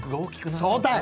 「そうたい」。